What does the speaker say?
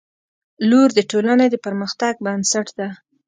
• لور د ټولنې د پرمختګ بنسټ ده.